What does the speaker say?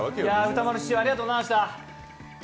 歌丸師匠、ありがとうございました。